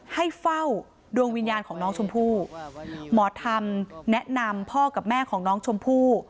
ให้เฝ้าดวงวิญญาณของน้องชมพู่หมอธรรมแนะนำพ่อกับแม่ของน้องชมพู่